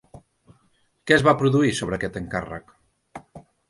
Què es va produir sobre aquest encàrrec?